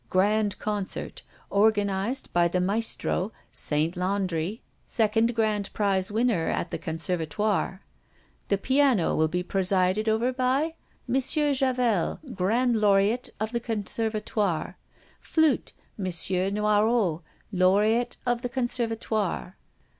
GRAND CONCERT organized by the Maestro, Saint Landri, second grand prize winner at the Conservatoire The piano will be presided over by M. Javel, grand laureate of the Conservatoire. Flute, M. Noirot, laureate of the Conservatoire.